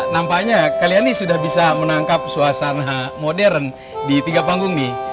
nampaknya kalian ini sudah bisa menangkap suasana modern di tiga panggung nih